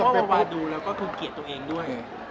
เพราะว่าดูแล้วก็คือเกลียดตัวเองด้วย